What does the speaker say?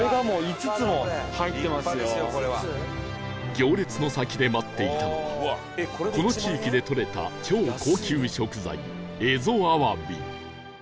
行列の先で待っていたのはこの地域でとれた超高級食材蝦夷あわび